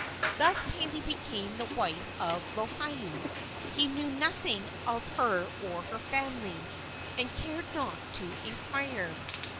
Thus Pele became the wife of Lohiau. He knew nothing of her or her family, and cared not to inquire.